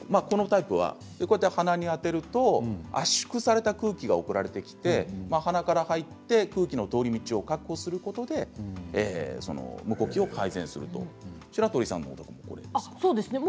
このタイプは鼻に当てると圧縮された空気が送られてきて鼻から入って空気の通り道を確保することで、無呼吸を改善するというものです。